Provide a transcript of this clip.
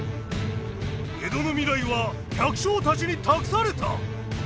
江戸の未来は百姓たちに託された！